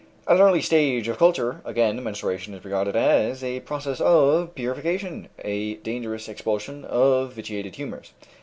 At an early stage of culture, again, menstruation is regarded as a process of purification, a dangerous expulsion of vitiated humors.